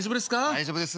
大丈夫です。